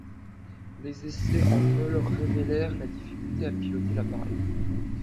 Les essais en vol révélèrent la difficulté à piloter l’appareil.